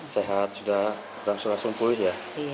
sehat sudah langsung sempurna